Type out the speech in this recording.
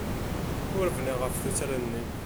Ur bniɣ ɣef tuttra-nni.